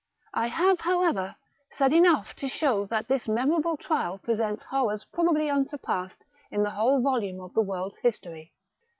I have, however, said enough to show that this memorable trial presents horrors pro bably unsurpassed in the whole volume of the world's history.